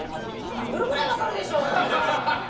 ハンドルぐらい分かるでしょ。